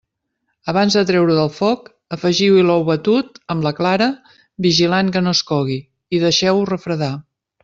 Abans de treure-ho del foc, afegiu-hi l'ou batut, amb la clara, vigilant que no es cogui i deixeu-ho refredar.